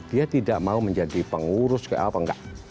dia tidak mau menjadi pengurus apa enggak